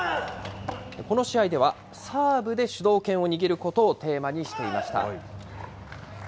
この試合では、サーブで主導権を握ることをテーマにしていました。